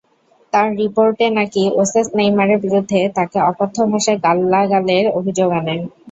তাঁর রিপোর্টে নাকি ওসেস নেইমারের বিরুদ্ধে তাঁকে অকথ্য ভাষায় গালাগালের অভিযোগ আনেন।